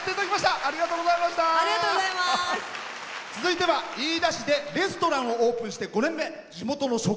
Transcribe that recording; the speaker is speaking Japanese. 続いては飯田市でレストランをオープンして５年目。